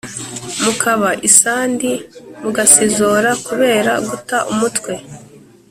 mukaba isandi mugasizora kubera guta umutwe